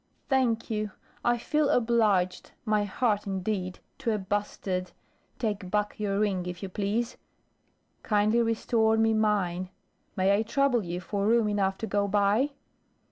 "Thank you I feel obliged my heart indeed to a bastard. Take back your ring if you please; kindly restore me mine. May I trouble you for room enough to go by?"